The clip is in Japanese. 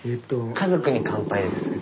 「家族に乾杯」です。